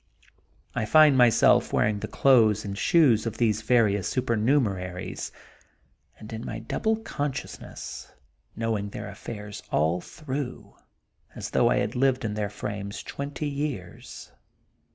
I find myself wearing the clothes and shoes of these various supernumeraries, and in my double consciousness, knowing their affairs all through, as though I had lived in their frames twenty years.